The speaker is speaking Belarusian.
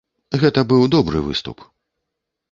Гэта быў добры выступ.